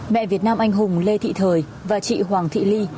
mẹ việt nam anh hùng lê thị thời và chị hoàng thị ly